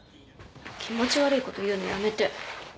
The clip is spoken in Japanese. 気持ち悪いこと言うのやめて。